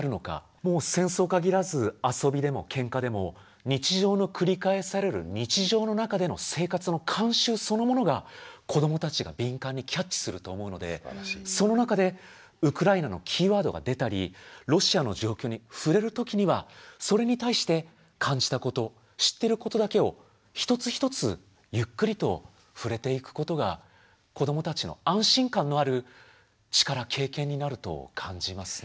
もう戦争限らず遊びでもケンカでも日常の繰り返される日常の中での生活の慣習そのものが子どもたちが敏感にキャッチすると思うのでその中でウクライナのキーワードが出たりロシアの状況に触れる時にはそれに対して感じたこと知ってることだけを一つ一つゆっくりと触れていくことが子どもたちの安心感のある力経験になると感じますね。